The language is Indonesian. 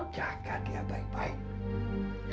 jaga dia baik baik